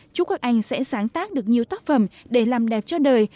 chúc các anh sẽ sáng tác được nhiều tác phẩm để làm đẹp cho đời